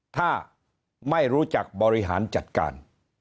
ถ้าไม่รู้จักบริหารจัดการ